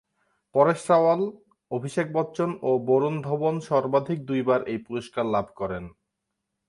পরেশ রাওয়াল, অভিষেক বচ্চন ও বরুণ ধবন সর্বাধিক দুইবার এই পুরস্কার লাভ করেন।